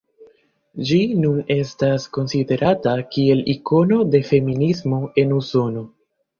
Ĝi nun estas konsiderata kiel ikono de feminismo en Usono.